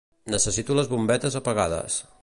Necessito les bombetes apagades.